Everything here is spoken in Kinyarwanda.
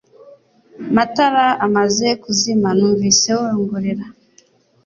Amatara amaze kuzima numvise wongorera